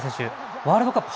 ワールドカップ